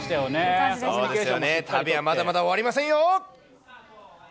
そうですよね、旅はまだまだ終わりませんよ！